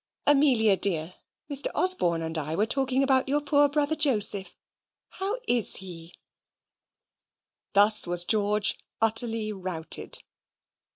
Amelia dear, Mr. Osborne and I were talking about your poor brother Joseph. How is he?" Thus was George utterly routed.